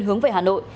hướng về hà nội